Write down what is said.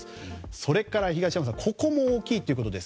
それから東山さんここも大きいということです。